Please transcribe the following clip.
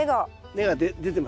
根が出てますね。